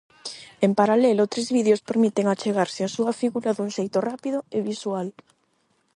En paralelo, tres vídeos permiten achegarse á súa figura dun xeito rápido e visual.